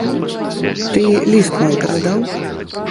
Ты ліст мой перадаў?